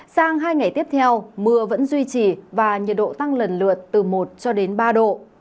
sang hai ngày tiếp theo mưa vẫn duy trì và nhiệt độ tăng lần lượt từ một ba độ